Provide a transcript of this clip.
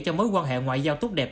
cho mối quan hệ ngoại giao tốt đẹp